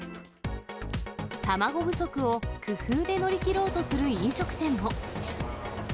卵不足を工夫で乗り切ろうとする飲食店も。